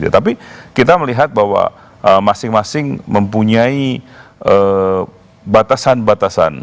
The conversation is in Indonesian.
tapi kita melihat bahwa masing masing mempunyai batasan batasan